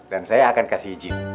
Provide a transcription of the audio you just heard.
dan saya akan kasih izin